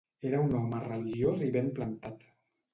Era un home religiós i ben plantat.